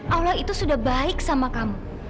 allah itu sudah baik sama kamu